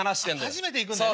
初めて行くんだよね？